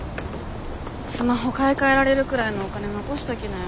スマホ買い替えられるくらいのお金残しておきなよ。